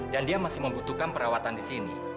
dan dia masih membutuhkan perawatan di sini